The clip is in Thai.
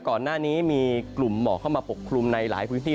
ก่อนหน้านี้มีกลุ่มหมอกเข้ามาปกคลุมในหลายพื้นที่